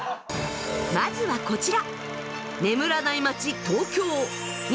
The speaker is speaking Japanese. まずはこちら。